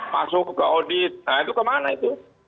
masuk ke audit nah itu kemana itu